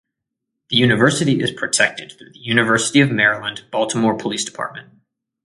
The university is protected through the University of Maryland, Baltimore Police Department.